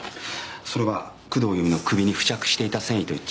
それは工藤由美の首に付着していた繊維と一致。